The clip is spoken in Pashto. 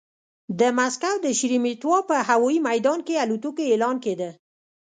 د مسکو د شېرېمېتوا په هوايي ميدان کې الوتکو اعلان کېده.